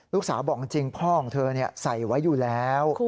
ลูกสาวบอกจริงพ่อของเธอใส่ไว้อยู่แล้ว